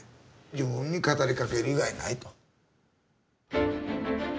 自分に語りかける以外ないと。